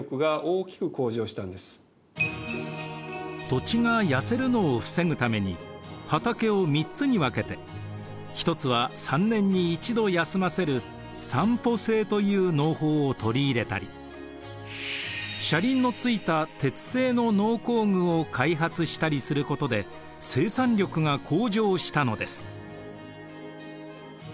土地が痩せるのを防ぐために畑を３つに分けて一つは３年に一度休ませる「三圃制」という農法を取り入れたり車輪の付いた鉄製の農耕具を開発したりすることで生産力が向上したのです。